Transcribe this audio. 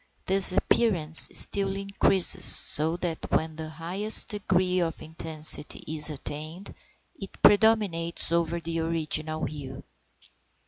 This appearance still increases, so that when the highest degree of intensity is attained it predominates over the original hue.